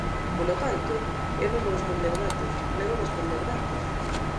Polo tanto, eu non vou esconder datos, négome a esconder datos.